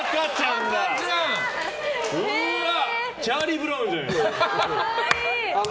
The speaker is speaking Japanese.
チャーリー・ブラウンじゃないですか。